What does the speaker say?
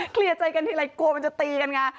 เคลียร์ใจกันทีไรกลัวมันจะตีกันไง